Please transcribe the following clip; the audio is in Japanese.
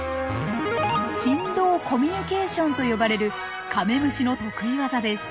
「振動コミュニケーション」と呼ばれるカメムシの得意ワザです。